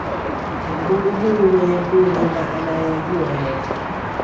Mungu huyu mwenye nguvu na anayeyajua yote